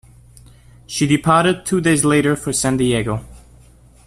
She departed two days later for San Diego.